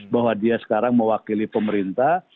bahwa dia sekarang mewakili pemerintah